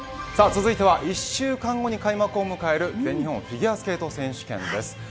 続いては１週間後に開幕を迎える全日本フィギュアスケート選手権です。